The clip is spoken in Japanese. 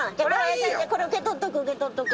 これ受け取っとく受け取っとく。